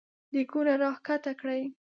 دېګونه راکښته کړی !